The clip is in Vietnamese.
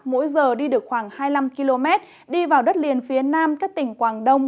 mỗi giờ đi được khoảng hai mươi năm km đi vào đất liền phía nam các tỉnh quảng đông